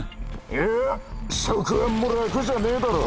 いや職安も楽じゃねぇだろ。